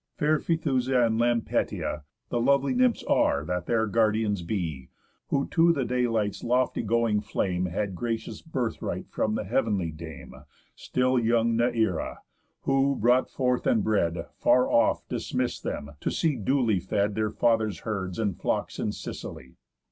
Fair Phaëthusa, and Lampetié, The lovely Nymphs are that their guardians be, Who to the daylight's lofty going Flame Had gracious birthright from the heav'nly Dame, Still young Neæra; who (brought forth and bred) Far off dismiss'd them, to see duly fed Their father's herds and flocks in Sicily.